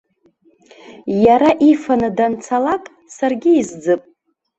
Иара ифаны данцалак, саргьы изӡып.